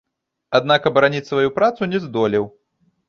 Аднак абараніць сваю працу не здолеў.